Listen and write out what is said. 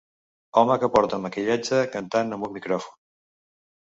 Home que porta maquillatge cantant amb un micròfon.